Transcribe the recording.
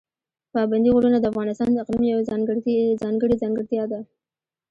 پابندي غرونه د افغانستان د اقلیم یوه ځانګړې ځانګړتیا ده.